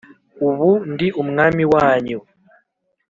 ubu ndi umwami wanyu,